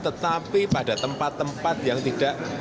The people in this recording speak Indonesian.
tetapi pada tempat tempat yang tidak